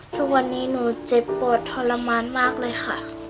ทุกวันนี้หนูเจ็บปวดทรมานมากเลยค่ะ